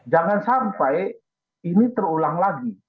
jangan sampai ini terulang lagi